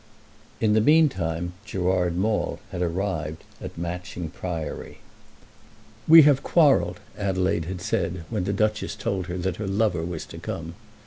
In the meantime Gerard Maule had arrived at Matching Priory. "We have quarrelled," Adelaide had said when the Duchess told her that her lover was to come.